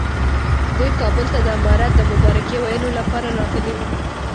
دوی کابل ته د امارت د مبارکۍ ویلو لپاره راغلي وو.